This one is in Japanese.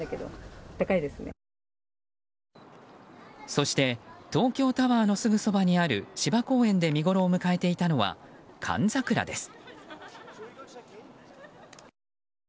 そして東京タワーのすぐそばにある芝公園で見ごろを迎えていたのは寒桜です。